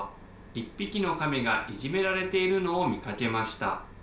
「１ぴきのカメがいじめられているのをみかけました」。